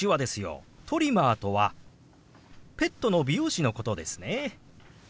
トリマーとはペットの美容師のことですね。